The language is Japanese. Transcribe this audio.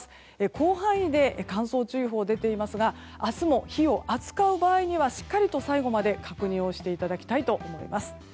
広範囲で乾燥注意報が出ていますが明日も火を扱う場合にはしっかりと最後まで確認をしていただきたいと思います。